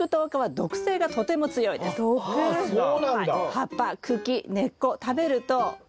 葉っぱ茎根っこ食べると嘔吐します。